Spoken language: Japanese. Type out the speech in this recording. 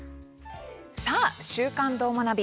さあ、「週刊どーもナビ」